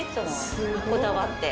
こだわって。